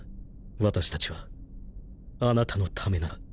私たちはあなたのためなら。